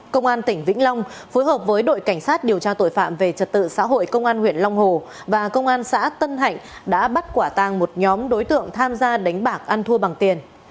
công an tỉnh vĩnh long phối hợp với đội cảnh sát điều tra tội phạm về trật tự xã hội công an huyện long hồ và công an xã tân hạnh đã bắt quả tàng một nhóm đối tượng tham gia đánh bạc ăn thua bằng tiền